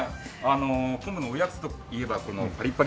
昆布のおやつといえばこの「パリパリくろべぇ」。